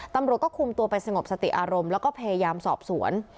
ตำรวจก็คุมตัวไปสงบสติอารมณ์แล้วก็พยายามสอบสวน